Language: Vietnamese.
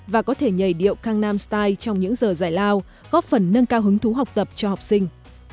và có thể nhảy điệu kang nam style trong những giờ giải lao góp phần nâng cao hứng thú học tập cho học sinh